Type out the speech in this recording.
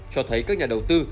cho thấy các nhà đầu tư